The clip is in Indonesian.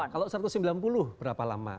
kalau satu ratus sembilan puluh berapa lama